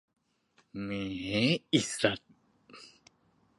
แหมอิสัส